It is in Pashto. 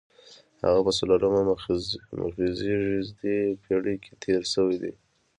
هغه په څلورمه مخزېږدي پېړۍ کې تېر شوی دی.